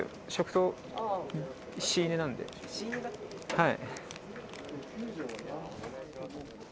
はい。